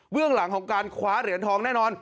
เบื้องหลังของการินทองแนะนอน